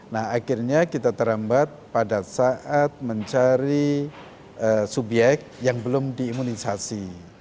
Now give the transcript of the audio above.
nah akhirnya kita terambat pada saat mencari subyek yang belum diimunisasi